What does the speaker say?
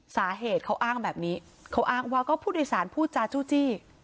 สาเหตุเขาอ้างแบบนี้เขาอ้างว่าก็ผู้โดยสารพูดจาจู้จี้